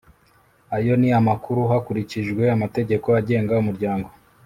ayo ni amakuru hakurikijwe amategeko agenga umuryango